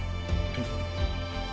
えっ？